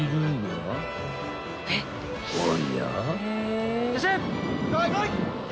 ［おや？］